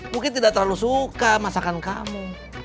mungkin tidak terlalu suka masakan kamu